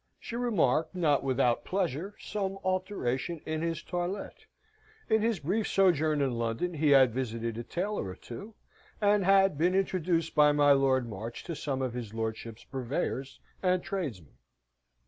She remarked, not without pleasure, some alteration in his toilette: in his brief sojourn in London he had visited a tailor or two, and had been introduced by my Lord March to some of his lordship's purveyors and tradesmen.